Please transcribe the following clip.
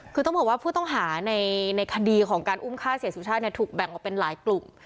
คือต้องบอกว่าผู้ต้องหาในคดีของการอุ้มฆ่าเสียสุชาติถูกแบ่งออกเป็นหลายกลุ่ม